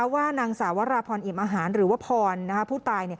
ว่านางสาวราพรอิ่มอาหารหรือว่าพรผู้ตาย